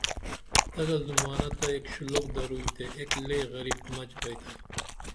تگہ زمانہ تہ اِک شِلوک درُئی تے اِک لے غریب مچ بیئتھا